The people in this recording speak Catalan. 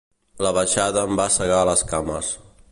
La baixada em va segar les cames.